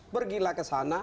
pergilah ke sana